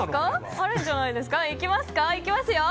いきますよ。